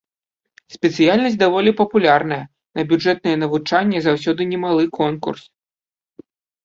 Спецыяльнасць даволі папулярная, на бюджэтнае навучанне заўсёды немалы конкурс.